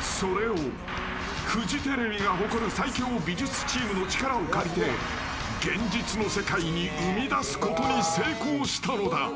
それをフジテレビが誇る最強美術チームの力を借りて、現実の世界に生み出すことに成功したのだ。